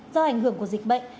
do ảnh hưởng của dịch bệnh